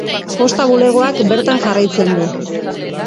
Posta bulegoak bertan jarraitzen du.